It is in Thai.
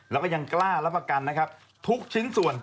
แล้วก็ยังกล้ารับประกันนะครับทุกชิ้นส่วน